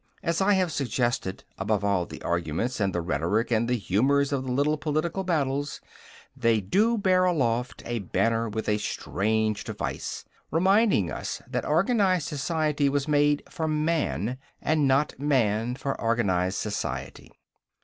As I have suggested, above all the arguments and the rhetoric and the humours of the little political battles, they do bear aloft a banner with a strange device, reminding us that organized society was made for man, and not man for organized society.